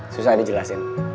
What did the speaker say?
susah deh jelasin